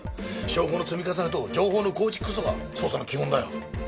証拠の積み重ねと情報の構築こそが捜査の基本だよ。